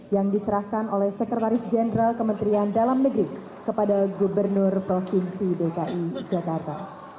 yang diserahkan oleh sekretaris jenderal kementerian dalam negeri kepada gubernur provinsi dki jakarta